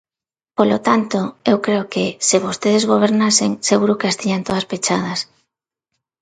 Polo tanto, eu creo que, se vostedes gobernasen, seguro que as tiñan todas pechadas.